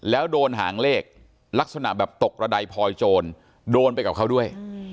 แล้วโดนหางเลขลักษณะแบบตกระดายพลอยโจรโดนไปกับเขาด้วย